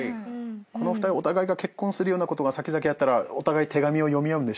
この２人お互いが結婚するようなことが先々あったらお互い手紙を読み合うんでしょうね。